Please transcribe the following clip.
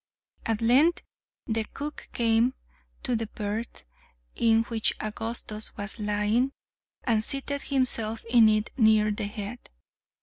At length the cook came to the berth in which Augustus was lying, and seated himself in it near the head.